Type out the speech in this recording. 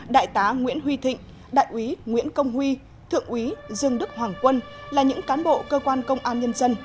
đại tá nguyễn huy thịnh đại úy nguyễn công huy thượng úy dương đức hoàng quân là những cán bộ cơ quan công an nhân dân